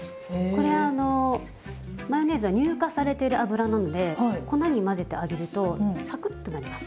これはあのマヨネーズは乳化されてる油なので粉に混ぜて揚げるとサクッとなります。